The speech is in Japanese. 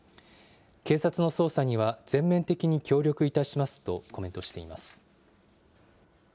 警察の捜査には全面的に協力いたしますとコメントしています。